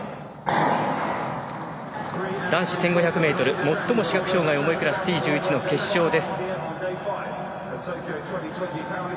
男子１５００ｍ最も視覚障がいが重いクラスＴ１１の決勝です。